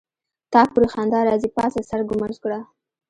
تا پوری خندا راځي پاڅه سر ګمنځ کړه.